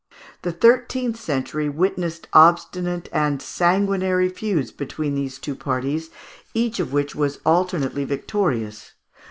The thirteenth century witnessed obstinate and sanguinary feuds between these two parties, each of which was alternately victorious.